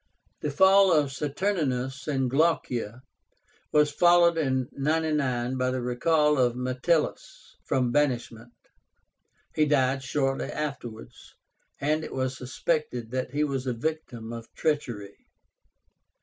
The fall of Saturnínus and Glaucia was followed in 99 by the recall of Metellus from banishment. He died shortly afterwards, and it was suspected that he was a victim of treachery.